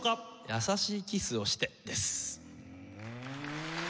『やさしいキスをして』です。